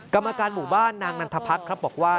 กรรมการหมู่บ้านนางนันทพรรคครับบอกว่า